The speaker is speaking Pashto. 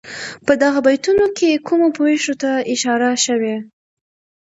په دغو بیتونو کې کومو پېښو ته اشاره شوې.